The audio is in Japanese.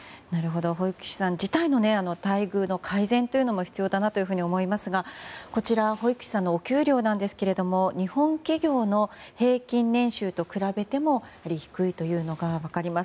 保育士さん自体の待遇の改善も必要だなと思いますがこちら保育士さんのお給料ですが日本企業の平均年収と比べてもやはり低いというのが分かります。